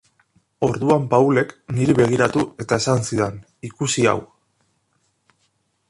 Orduan Paulek niri begiratu eta esan zidan ikusi hau.